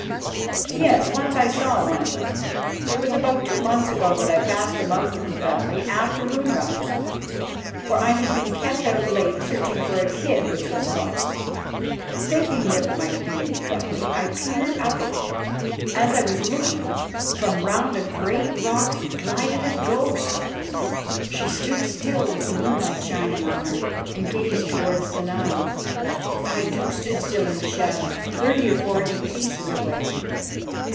"Yes, once I saw one of them. It was about two months ago that I passed the mouth of the valley after moonrise, for I had been kept out late searching for a kid which was lost. Thinking that it might be in the valley, I peered up it. As I was looking, from round a great rock glided a ghost. She stood still, with the moonlight shining on her, and gazed towards the Nile. I, too, stood still in the shadow, thirty or forty paces away.